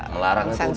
melarang itu udah besar